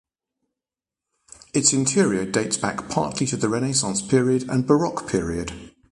Its interior dates back partly to the Renaissance period and baroque period.